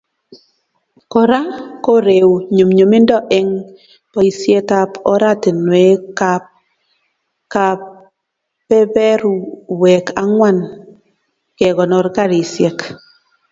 Kora koreu nyumnyumindo eng boisyetab oratinweekab kebeberweek ang'wan, kekonor garisyek.